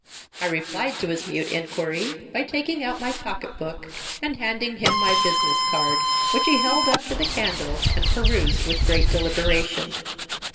I replied to his mute inquiry by taking out my pocket book and handing him my business card, which he held up to the candle and perused with great deliberation.